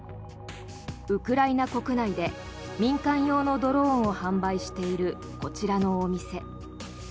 ウクライナ国内で民間用のドローンを販売しているこちらのお店。